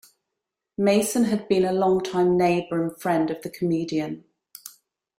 Mason had been a long-time neighbour and friend of the comedian.